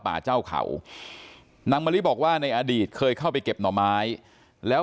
ป่าเจ้าเขานางมะลิบอกว่าในอดีตเคยเข้าไปเก็บหน่อไม้แล้ว